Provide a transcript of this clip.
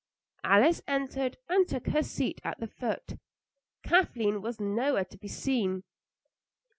Alice entered and took her seat at the foot. Kathleen was nowhere to be seen.